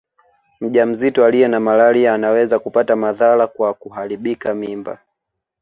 Mjamzito aliye na malaria anaweza kupata madhara kwa kuharibika mimba